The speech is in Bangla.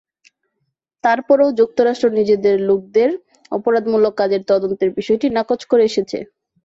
তারপরও যুক্তরাষ্ট্র নিজেদের লোকদের অপরাধমূলক কাজের তদন্তের বিষয়টি নাকচ করে এসেছে।